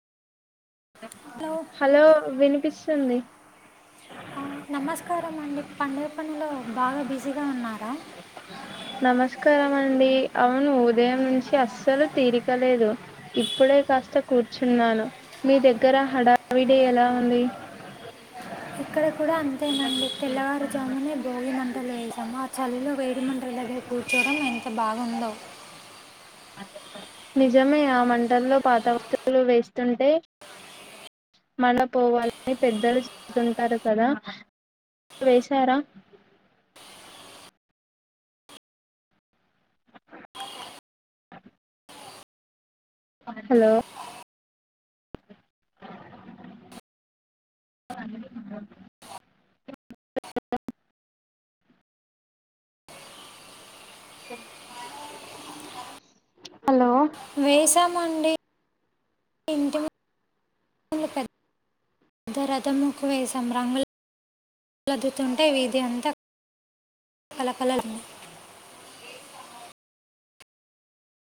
hello వినిపిస్తుంది నమస్కారం అండి పండుగ పనులో బాగా బిజీగా ఉన్నారా నమస్కారం అండి అవును ఉదయం నుంచి అస్సలు తీరికలేదు ఇప్పుడే కాస్త కూర్చున్నాను మీ దగ్గర హడావిడే ఎలా ఉంది ఇక్కడ కూడా అంతేనండి తెల్లవారుజాముని భోగి మంటలు వసాము ఆ చలిలో వేడిమంటల దగ్గర కూర్చోవడం ఎంత బాగుందో నిజమే ఆ మంటల్లో పాత వస్తువులు వేస్తుంటే మనపోవాలని పెద్దలు చెతుంటారు కదా వేశారా హలో అ సఓ వేస్ మండి ఇ పెద్ద రథముకువేస రంగులుద్దుతుంటే వీధి అంతా కలకలు